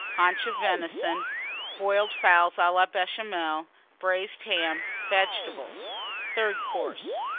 Haunch of Venison. Boiled Fowls à la Béchamel. Braised Ham. Vegetables. THIRD COURSE.